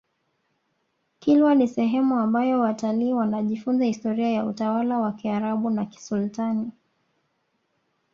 kilwa ni sehemu ambayo watalii wanajifunza historia ya utawala wa kiarabu wa kisultani